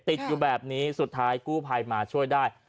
ติดอยู่แบบนี้สุดท้ายกู้ภัยมาช่วยได้